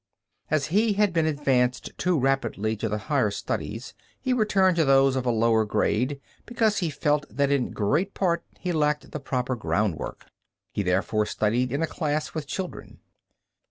As he had been advanced too rapidly to the higher studies, he returned to those of a lower grade, because he felt that in great part he lacked the proper groundwork. He therefore studied in a class with children.